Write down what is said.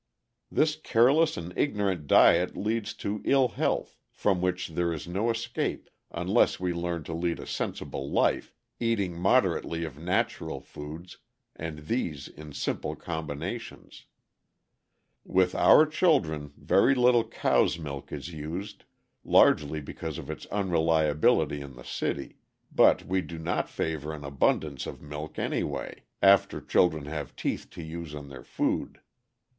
This careless and ignorant diet leads to ill health, from which there is no escape unless we learn to lead a sensible life, eating moderately of natural foods, and these in simple combinations. "'With our children, very little cow's milk is used, largely because of its unreliability in the city; but we do not favor an abundance of milk anyway, after children have teeth to use on their food.